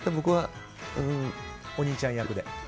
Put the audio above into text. お兄ちゃん役で。